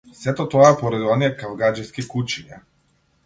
Сето тоа е поради оние кавгаџиски кучиња.